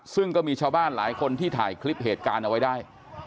ซึ่งก็มีชาวบ้านหลายคนที่ถ่ายคลิปเหตุการณ์เอาไว้ได้